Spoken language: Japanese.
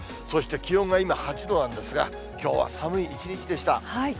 そして、気温が今、８度なんですが、きょうは寒い一日でした。